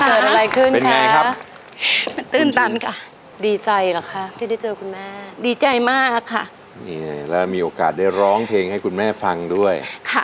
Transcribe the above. เป็นไงครับดีใจเหรอครับที่ได้เจอคุณแม่ดีใจมากค่ะแล้วมีโอกาสได้ร้องเพลงให้คุณแม่ฟังด้วย